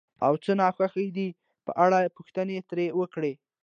او څه ناخوښ دي په اړه پوښتنې ترې وکړئ،